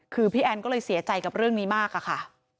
คือพี่แอนก็เลยเสียใจกับเรื่องนี้มากอะค่ะ